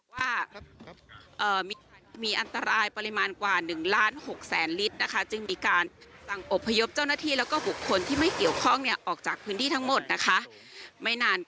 ว่ามีอันตรายปริมาณกว่า๑ล้าน๖แสนลิตรนะคะจึงมีการสั่งอบพยพเจ้าหน้าที่แล้วก็บุคคลที่ไม่เกี่ยวข้องเนี่ยออกจากพื้นที่ทั้งหมดนะคะ